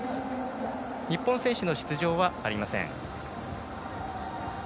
日本選手の出場はありません。